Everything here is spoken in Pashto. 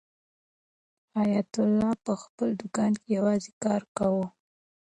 حیات الله په خپل دوکان کې یوازې کار کاوه.